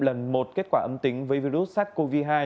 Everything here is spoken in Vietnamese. lần một kết quả âm tính với virus sars cov hai